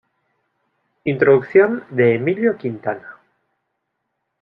Introducción de Emilio Quintana.